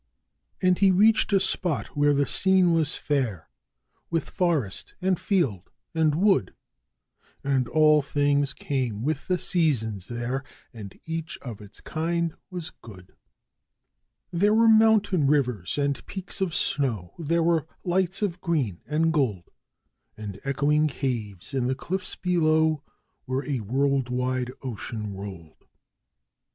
And he reached a spot where the scene was fair, with forest and field and wood, And all things came with the seasons there, and each of its kind was good; There were mountain rivers and peaks of snow, there were lights of green and gold, And echoing caves in the cliffs below, where a world wide ocean rolled.